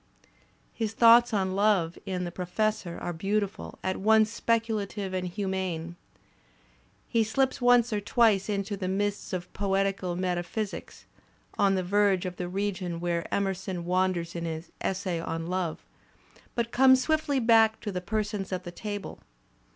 His thoughts on love in "The Professor'* are beautiful, at once speculative and humane. He slips once or twice into the mists of poetical metaphysics (on the verge of the region Digitized by Google HOLMES 163 where Emerson wanders in his essay on Love), but comes swiftly back to the persons at the table.